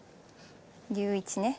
竜一ね。